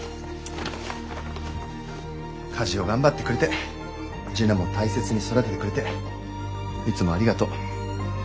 家事を頑張ってくれて樹奈も大切に育ててくれていつもありがとう。